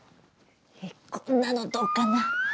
こんなのどうかな？